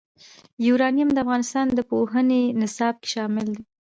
یورانیم د افغانستان د پوهنې نصاب کې شامل دي.